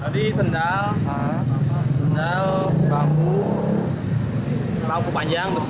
tadi sendal bambu bangku panjang besi